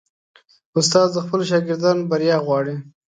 استاد د خپلو شاګردانو بریا غواړي.